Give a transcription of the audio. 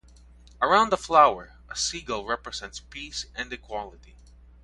Around the flower, a seagull represents peace and equality.